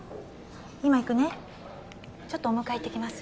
今行くねちょっとお迎え行ってきます